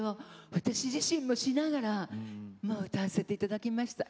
私自身もしながら歌わせていただきました。